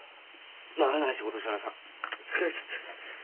慣れない仕事したらさ疲れちゃった。